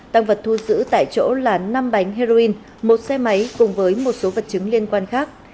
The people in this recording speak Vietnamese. tăng vật thu giữ tại chỗ là năm bánh heroin một xe máy cùng với một số vật chứng liên quan khác